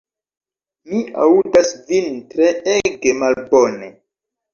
Mi aŭdas vin treege malbone.